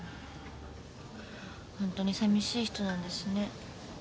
ほんとに寂しい人なんですね。